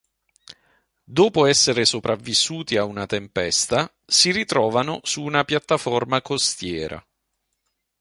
Dopo essere sopravvissuti a una tempesta, si ritrovano su una piattaforma costiera.